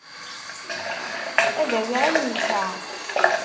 Ad awiɣ ayen yesɛa.